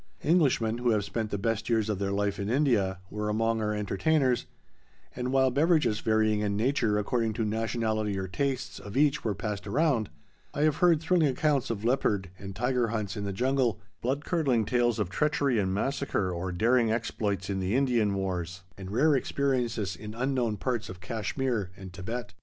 Englishmen, who have spent the best years of their life in India, were among our entertainers, and while beverages varying in nature according to nationality or tastes of each were passed around, I have heard thrilling accounts of leopard and tiger hunts in the jungle, blood curdling tales of treachery and massacre or daring exploits in the Indian wars, and rare experiences in unknown parts of Cashmere and Thibet.